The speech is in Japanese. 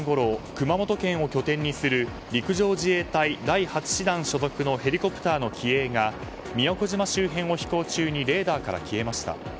熊本県を拠点にする陸上自衛隊第８師団所属のヘリコプターの機影が宮古島周辺を飛行中にレーダーから消えました。